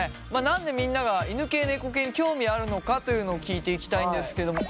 何でみんなが犬系・猫系に興味あるのかというのを聞いていきたいんですけども。